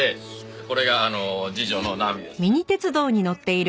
これが次女の奈美ですね。